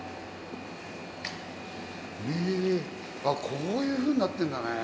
こういうふうになってんだね。